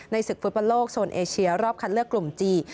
ศึกฟุตบอลโลกโซนเอเชียรอบคัดเลือกกลุ่มจีน